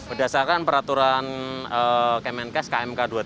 berdasarkan peraturan kemenkes kmk dua ratus tiga puluh empat